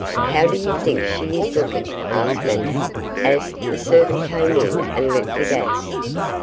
'How do you think she is looking?' asked Madame, as the servant came in and lit the gas.